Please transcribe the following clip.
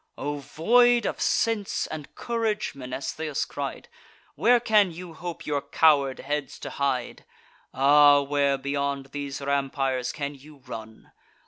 "O, void of sense and courage!" Mnestheus cried, "Where can you hope your coward heads to hide? Ah! where beyond these rampires can you run?